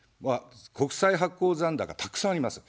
国債発行残高、たくさんあります。